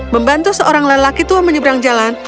membantu seorang lelaki tua menyeberang jalan